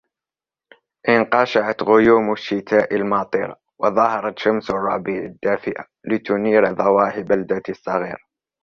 انقشعت غيوم الشتاء الماطرة وظهرت شمس الربيع الدافئة لتنير ضواحي بلدتي الصغيرة.